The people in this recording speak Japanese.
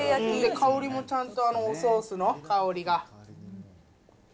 香りもちゃんとおソースの香